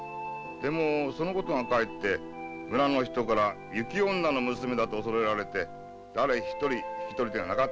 でもそのことがかえって村の人から雪女の娘だと恐れられて誰一人引き取り手がなかったんです。